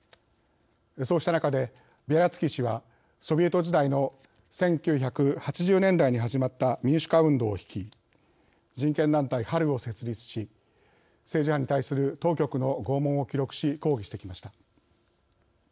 そうした中でビャリャツキ氏はソビエト時代の１９８０年代に始まった民主化運動を率い人権団体、春を設立し政治犯に対する当局の拷問を記録し抗議してきました。